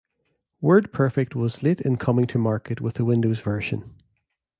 WordPerfect was late in coming to market with a Windows version.